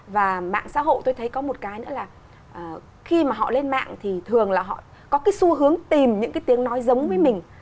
và mạng xã hội tôi thấy có một cái nữa là khi mà họ lên mạng thì thường là họ có cái xu hướng tìm những cái tiếng nói giống với mình